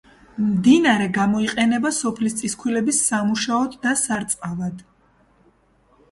მდინარე გამოიყენება სოფლის წისქვილების სამუშაოდ და სარწყავად.